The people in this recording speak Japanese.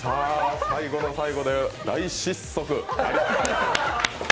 最後の最後で大失速。